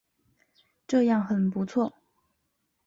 这样很不错